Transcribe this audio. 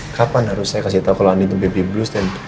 kapan harus saya kasih tau kalau andin baby blues dan